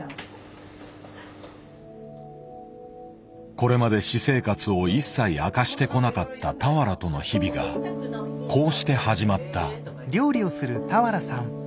これまで私生活を一切明かしてこなかった俵との日々がこうして始まった。